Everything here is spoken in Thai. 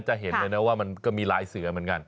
จะเห็นเลยนะว่ามันก็มีลายเสือเหมือนกัน